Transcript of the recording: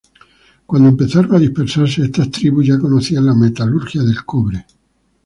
Cuando empezaron a dispersarse, estas tribus ya conocían la metalurgia del cobre.